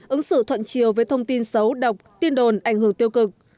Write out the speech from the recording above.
ứng xử thuận chiều với thông tin xấu độc tin đồn ảnh hưởng tiêu cực